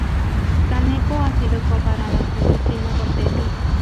Kaneko ha sido comparada con Christina Rossetti.